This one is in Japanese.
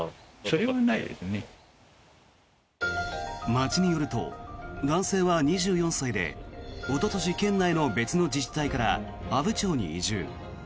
町によると男性は２４歳でおととし、県内の別の自治体から阿武町に移住。